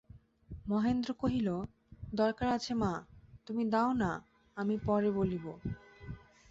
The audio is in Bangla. মহেন্দ্র কহিল, দরকার আছে মা, তুমি দাও-না, আমি পরে বলিব।